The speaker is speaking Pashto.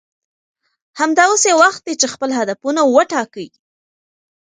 همدا اوس یې وخت دی چې خپل هدفونه وټاکئ